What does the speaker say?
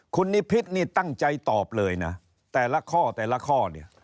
คุณนิพิษนี่ตั้งใจตอบเลยนะแต่ละข้อแต่ละข้อเนี่ย